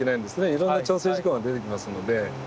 いろんな調整事項が出てきますので。